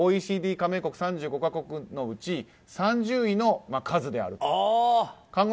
ＯＥＣＤ加盟国３５か国のうち３０位の数であると。